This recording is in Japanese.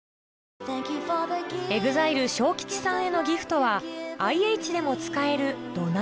ＥＸＩＬＥＳＨＯＫＩＣＨＩさんへのギフトはＩＨでも使える土鍋